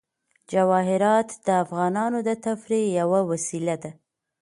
جواهرات د افغانانو د تفریح یوه وسیله ده.